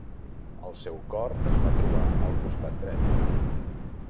El seu cor es va trobar al costat dret.